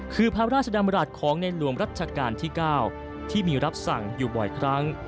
คือพระราชดำรัฐของในหลวงรัชกาลที่๙ที่มีรับสั่งอยู่บ่อยครั้ง